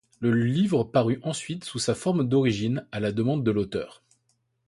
Le livre parut ensuite sous sa forme d'origine, à la demande de l'auteur.